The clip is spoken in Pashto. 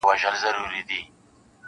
دا د پنځو زرو کلونو کمالونو کیسې-